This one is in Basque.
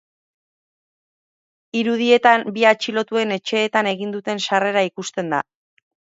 Irudietan bi atxilotuen etxeetan egin duten sarrera ikusten da.